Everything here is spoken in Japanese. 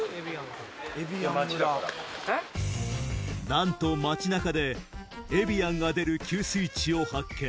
なんと街中でエビアンが出る給水地を発見